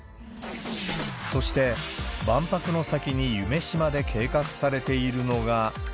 そして、万博の先に夢洲で計画されているのが。